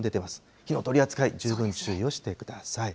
火の取り扱い、十分注意をしてください。